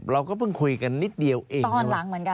เราก็พิ่งคุยกันนิดเดียวเองเนี่ย